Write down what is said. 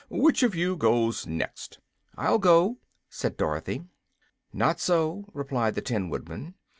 Which of you goes next?" "I'll go," said Dorothy. "Not so," replied the Tin Woodman.